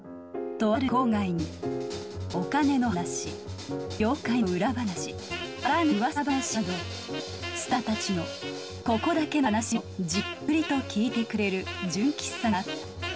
とある郊外にお金の話業界の裏話あらぬ噂話などスターたちのここだけの話をじっくりと聞いてくれる純喫茶があった。